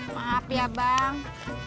maaf ya bang